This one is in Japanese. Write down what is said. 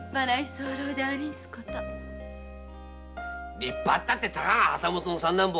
「立派」たって旗本の三男坊。